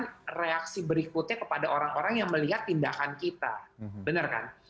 ini akan menimbulkan reaksi berikutnya kepada orang orang yang melihat tindakan kita